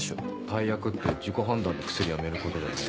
怠薬って自己判断で薬やめることだよね？